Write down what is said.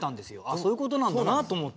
そういうことなんだなと思って。